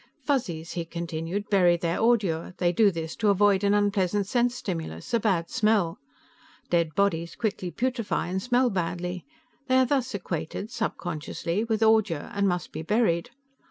"Fuzzies," he continued, "bury their ordure: they do this to avoid an unpleasant sense stimulus, a bad smell. Dead bodies quickly putrefy and smell badly; they are thus equated, subconsciously, with ordure and must be buried.